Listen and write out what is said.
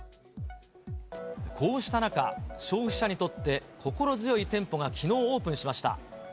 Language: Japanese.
こうした中、消費者にとって心強い店舗がきのうオープンしました。